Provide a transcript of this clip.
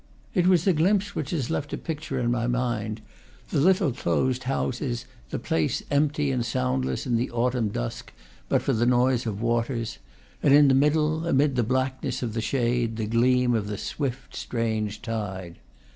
It was a glimpse which has left a picture in my mind: the little closed houses, the place empty and soundless in the autumn dusk but for the noise of waters, and in the middle, amid the blackness of the shade, the gleam of the swift, strange tide.